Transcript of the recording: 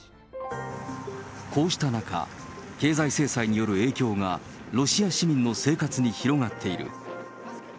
こうした中、経済制裁による影響がロシア市民の生活に広がっている。